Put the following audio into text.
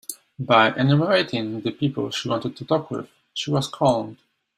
By enumerating the people she wanted to talk with, she was calmed.